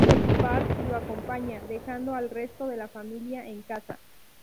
Bart lo acompaña, dejando al resto de la familia en casa.